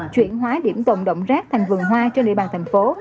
chuyển hóa điểm tồn động rác thành vườn hoa trên địa bàn thành phố